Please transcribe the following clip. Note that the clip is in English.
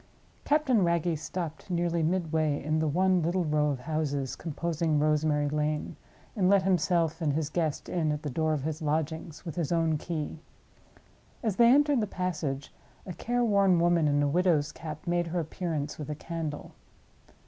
Captain Wragge stopped nearly midway in the one little row of houses composing Rosemary Lane, and let himself and his guest in at the door of his lodgings with his own key. As they entered the passage, a care worn woman in a widow's cap made her appearance with a candle.